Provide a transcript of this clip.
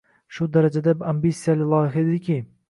shu darajada ambitsiyali loyiha ediki